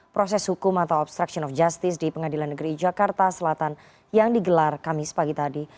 proses hukum atau obstruction of justice di pengadilan negeri jakarta selatan yang digelar kamis pagi tadi